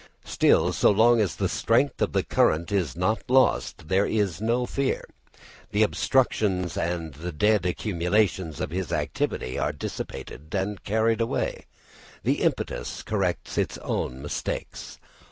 Still, so long as the strength of the current is not lost, there is no fear; the obstructions and the dead accumulations of his activity are dissipated and carried away; the impetus corrects its own mistakes.